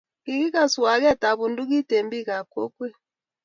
Kingigas waketab bundukit eng bikap kokwet